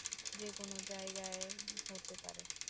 যেকোন যায়গায় হতে পারে।